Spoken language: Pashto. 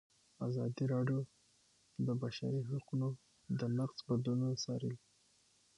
ازادي راډیو د د بشري حقونو نقض بدلونونه څارلي.